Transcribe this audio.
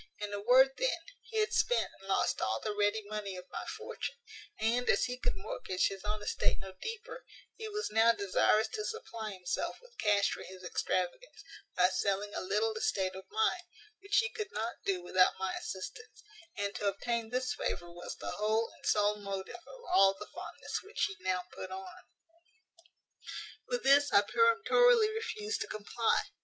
In a word, then, he had spent and lost all the ready money of my fortune; and, as he could mortgage his own estate no deeper, he was now desirous to supply himself with cash for his extravagance, by selling a little estate of mine, which he could not do without my assistance; and to obtain this favour was the whole and sole motive of all the fondness which he now put on. "With this I peremptorily refused to comply.